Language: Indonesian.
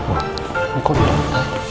ini kok dihentai